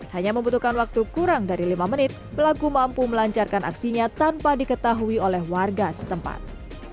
hanya membutuhkan waktu kurang dari lima menit pelaku mampu melancarkan aksinya tanpa diketahui oleh warga setempat